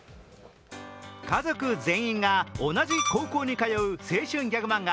家族全員が同じ高校に通う青春ギャグ漫画